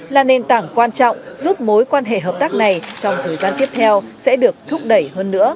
là nền tảng quan trọng giúp mối quan hệ hợp tác này trong thời gian tiếp theo sẽ được thúc đẩy hơn nữa